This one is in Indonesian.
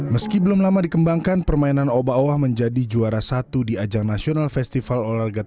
meski belum lama dikembangkan permainan oba owa menjadi juara satu di ajang nasional festival olahraga